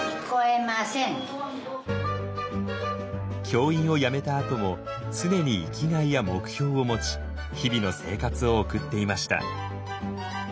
教員を辞めたあとも常に生きがいや目標を持ち日々の生活を送っていました。